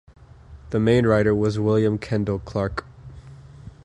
The main writer was William Kendall Clarke.